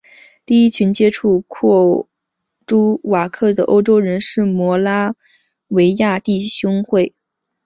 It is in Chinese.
第一群接触库朱瓦克的欧洲人是摩拉维亚弟兄会。